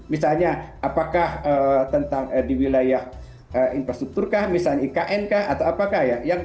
misalnya apakah tentang di wilayah infrastruktur kah misalnya ikn kah atau apakah ya